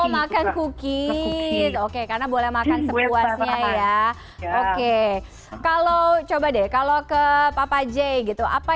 mau makan cooki oke karena boleh makan sepuasnya ya oke kalau coba deh kalau ke papa j gitu apa